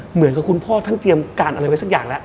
เหมือนกับคุณพ่อท่านเตรียมการอะไรไว้สักอย่างแล้ว